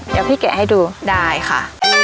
เดี๋ยวพี่แกะให้ดูได้ค่ะ